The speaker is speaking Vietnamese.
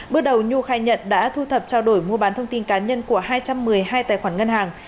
bước đầu nhu khai nhận đã thu thập trao đổi mua bán thông tin cá nhân của hai trăm một mươi hai tài khoản ngân hàng